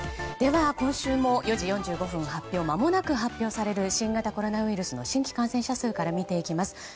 では、今週も４時４５分発表まもなく発表される新型コロナウイルスの新規感染者数から見ていきます。